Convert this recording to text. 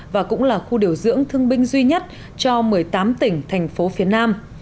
và cũng là khu điều dưỡng thương binh duy nhất cho một mươi tám tỉnh thành phố phía nam